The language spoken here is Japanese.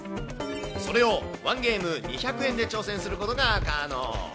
それを１ゲーム２００円で挑戦することが可能。